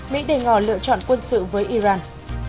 mỹ đề ngỏ lựa chọn quân sự với iran